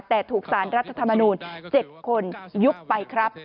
แต่ถูกสารรัฐธรรมนูล๗คนยุบไปครับ